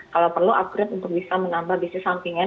kalau perlu upgrade untuk bisa menambah bisnis sampingan